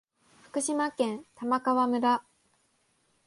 福島県玉川村